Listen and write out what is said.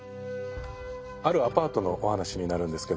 あるアパートのお話になるんですけども。